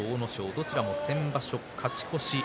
どちらも先場所勝ち越し。